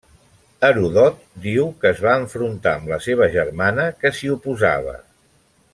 Heròdot diu que es va enfrontar amb la seva germana que s'hi oposava.